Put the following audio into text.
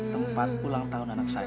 tempat ulang tahun anak saya